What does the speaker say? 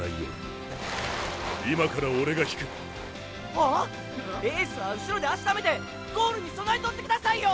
ハァ⁉エースは後ろで足ためてゴールに備えとってくださいよ！